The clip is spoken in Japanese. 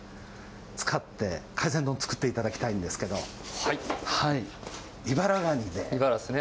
使って海鮮丼を作っていただきたいんですけどイバラガニでイバラですね